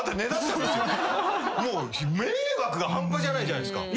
もう迷惑が半端じゃないじゃないですか。